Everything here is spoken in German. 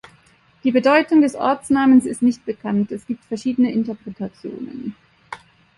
Die Bedeutung des Ortsnamens ist nicht bekannt, es gibt verschiedene Interpretationen.